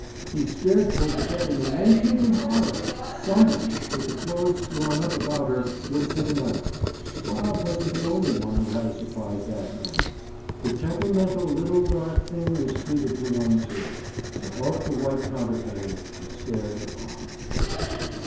He stared toward the bed in amazement and horror. Some one, with the clothes drawn up about her, was sitting up. Bob wasn't the only one who had a surprise that night. The temperamental, little dark thing was treated to one, too. Above the white counterpane, she stared at Bob.